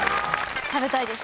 食べたいです。